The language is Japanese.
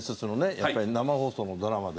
やっぱり生放送のドラマで。